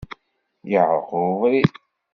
Iεreq ubrid.